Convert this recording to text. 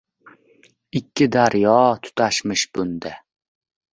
Ikki daryo tutashmish bunda